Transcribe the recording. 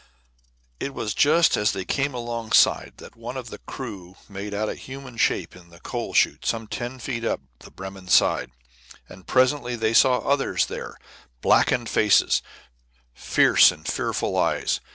It was just as they came alongside that one of the crew made out a human shape in the coal chute some ten feet up the Bremen's side. And presently they saw others there, blackened faces, fierce and fearful eyes.